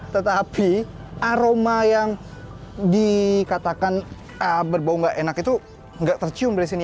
tetapi aroma yang dikatakan berbau gak enak itu gak tercium dari sini